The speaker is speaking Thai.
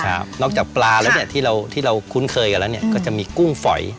ครับนอกจากปลาแล้วเนี้ยที่เราที่เราคุ้นเคยกันแล้วเนี่ยก็จะมีกุ้งฝอย